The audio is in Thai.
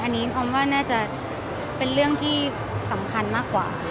อันนี้ออมว่าน่าจะเป็นเรื่องที่สำคัญมากกว่า